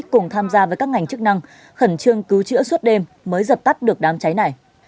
cùng tham gia với các ngành chức năng khẩn trương cứu chữa suốt đêm mới dập tắt được đám cháy này